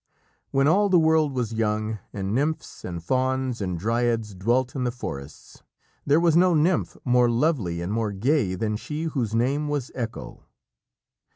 When all the world was young, and nymphs and fauns and dryads dwelt in the forests, there was no nymph more lovely and more gay than she whose name was Echo.